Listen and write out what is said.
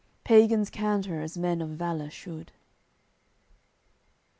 Pagans canter as men of valour should.